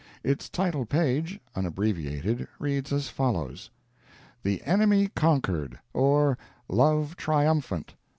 Its title page, unabbreviated, reads as follows: "The Enemy Conquered; or, Love Triumphant.